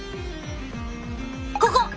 ここ！